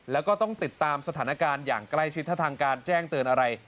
แล้วก็ต้องติดตามสถานการณ์อย่างใกล้ชิดถ้าทางการแจ้งเตือนอะไร